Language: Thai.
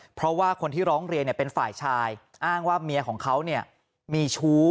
เพราะว่าคนที่ร้องเรียนเป็นฝ่ายชายอ้างว่าเมียของเขามีชู้